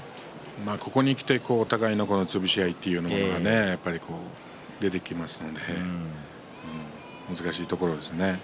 ここにきてお互いの潰し合いというのが出てきますので難しいところです。